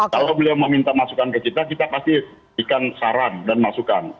kalau beliau mau minta masukan ke kita kita pasti diberikan saran dan masukan